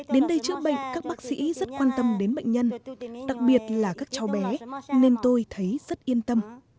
đến đây chữa bệnh các bác sĩ rất quan tâm đến bệnh nhân đặc biệt là các cháu bé nên tôi thấy rất yên tâm